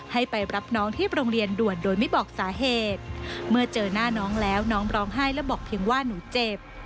ให้ไปรับน้องที่โรงเรียนด่วนโดยไม่บอกสาเหตุเมื่อเจอหน้าน้องแล้วน้องร้องไห้และบอกเพียงว่าหนูเจ็บ